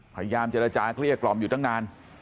พยายามเจรจาเกลี้ยกล่อมอยู่ตั้งนาน